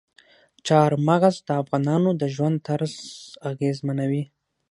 چار مغز د افغانانو د ژوند طرز اغېزمنوي.